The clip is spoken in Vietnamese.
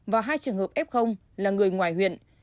và hai trường hợp f là người ngoài huyện